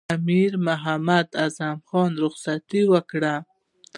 امیر محمد اعظم خان رخصت ورکوي.